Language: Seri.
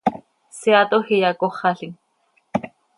Seaatoj iyacóxalim.